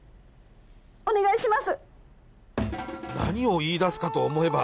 お願いします！